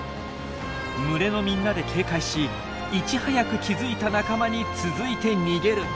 群れのみんなで警戒しいち早く気付いた仲間に続いて逃げる。